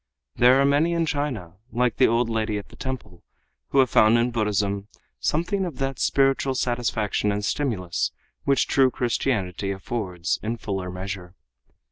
There are many in China like the old lady at the temple, who have found in Buddhism something of that spiritual satisfaction and stimulus which true Christianity affords, in fuller measure.